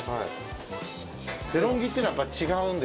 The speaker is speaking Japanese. デロンギっていうのはやっぱり違うんですか？